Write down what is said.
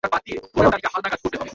একটা ফর্সা ছেলে?